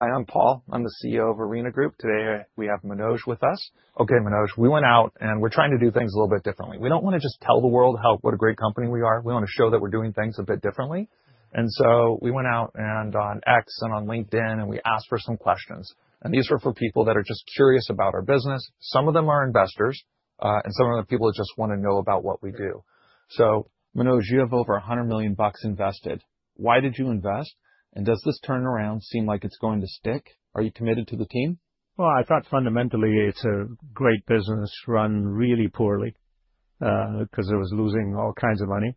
Hi, I'm Paul. I'm the CEO of The Arena Group. Today we have Manoj with us. Okay, Manoj, we went out and we're trying to do things a little bit differently. We don't want to just tell the world how what a great company we are. We want to show that we're doing things a bit differently. We went out on X and on LinkedIn, and we asked for some questions. These were for people that are just curious about our business. Some of them are investors, and some of the people just want to know about what we do. Manoj, you have over $100 million invested. Why did you invest? Does this turnaround seem like it's going to stick? Are you committed to the team? I thought fundamentally it's a great business run really poorly because it was losing all kinds of money.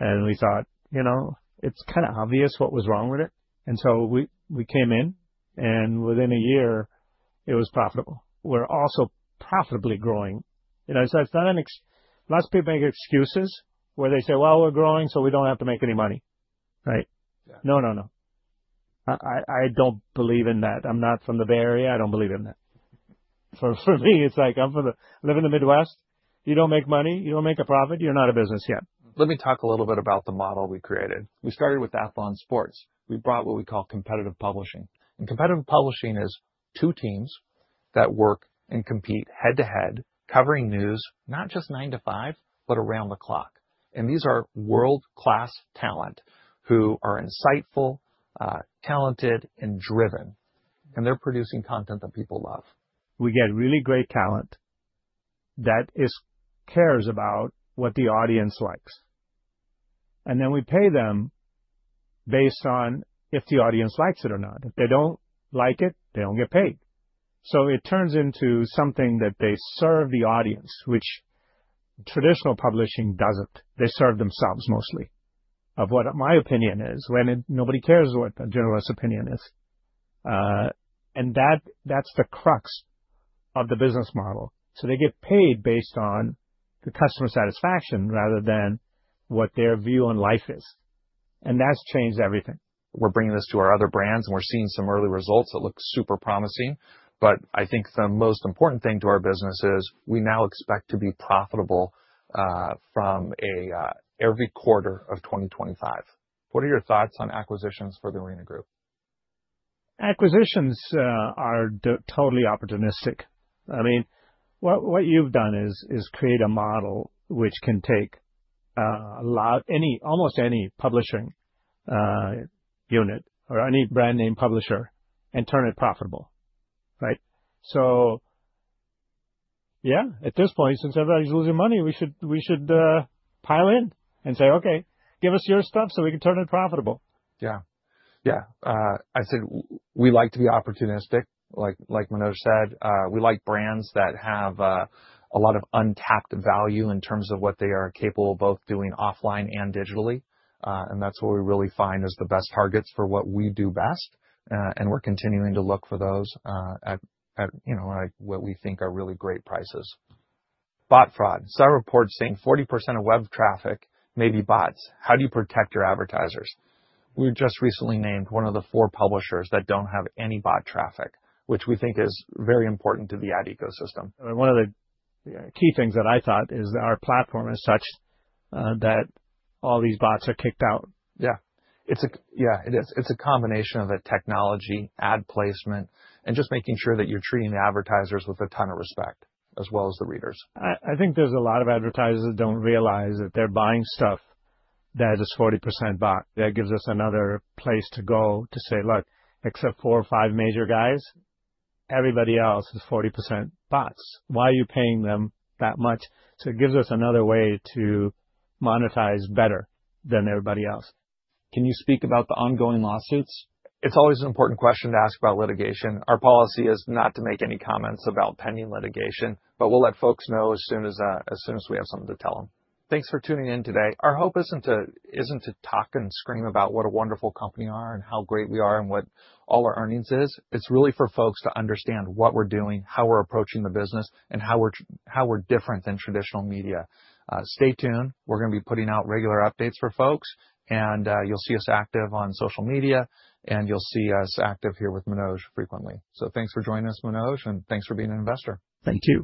We thought, you know, it's kind of obvious what was wrong with it. We came in and within a year it was profitable. We're also profitably growing. You know, so it's not an excuse. Lots of people make excuses where they say, well, we're growing so we don't have to make any money. Right? No, no, no. I don't believe in that. I'm not from the Bay Area. I don't believe in that. For me, it's like I'm from the, live in the Midwest. You don't make money, you don't make a profit, you're not a business yet. Let me talk a little bit about the model we created. We started with Athlon Sports. We brought what we call competitive publishing. Competitive publishing is two teams that work and compete head to head, covering news, not just nine to five, but around the clock. These are world-class talent who are insightful, talented, and driven. They're producing content that people love. We get really great talent that cares about what the audience likes. Then we pay them based on if the audience likes it or not. If they do not like it, they do not get paid. It turns into something that they serve the audience, which traditional publishing does not. They serve themselves mostly. Of what my opinion is, when nobody cares what the generalist opinion is. That is the crux of the business model. They get paid based on the customer satisfaction rather than what their view on life is. That has changed everything. We're bringing this to our other brands and we're seeing some early results that look super promising. I think the most important thing to our business is we now expect to be profitable from every quarter of 2025. What are your thoughts on acquisitions for The Arena Group? Acquisitions are totally opportunistic. I mean, what you've done is create a model which can take almost any publishing unit or any brand name publisher and turn it profitable. Right? Yeah, at this point, since everybody's losing money, we should pile in and say, okay, give us your stuff so we can turn it profitable. Yeah. Yeah. I said we like to be opportunistic, like Manoj said. We like brands that have a lot of untapped value in terms of what they are capable of both doing offline and digitally. That is what we really find as the best targets for what we do best. We are continuing to look for those at, you know, what we think are really great prices. Bot fraud. Some reports saying 40% of web traffic may be bots. How do you protect your advertisers? We just recently named one of the four publishers that do not have any bot traffic, which we think is very important to the ad ecosystem. One of the key things that I thought is that our platform is such that all these bots are kicked out. Yeah. Yeah, it is. It's a combination of a technology, ad placement, and just making sure that you're treating the advertisers with a ton of respect as well as the readers. I think there's a lot of advertisers that don't realize that they're buying stuff that is 40% bot. That gives us another place to go to say, look, except four or five major guys, everybody else is 40% bots. Why are you paying them that much? It gives us another way to monetize better than everybody else. Can you speak about the ongoing lawsuits? It's always an important question to ask about litigation. Our policy is not to make any comments about pending litigation, but we'll let folks know as soon as we have something to tell them. Thanks for tuning in today. Our hope isn't to talk and scream about what a wonderful company we are and how great we are and what all our earnings are. It's really for folks to understand what we're doing, how we're approaching the business, and how we're different than traditional media. Stay tuned. We're going to be putting out regular updates for folks. You will see us active on social media. You will see us active here with Manoj frequently. Thanks for joining us, Manoj, and thanks for being an investor. Thank you.